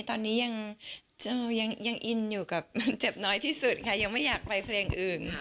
ตอนนี้ยังอินอยู่กับมันเจ็บน้อยที่สุดค่ะยังไม่อยากไปเพลงอื่นค่ะ